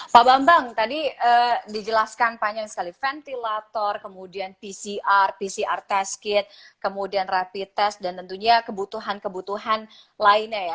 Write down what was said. pak bambang tadi dijelaskan panjang sekali ventilator kemudian pcr pcr test kit kemudian rapid test dan tentunya kebutuhan kebutuhan lainnya ya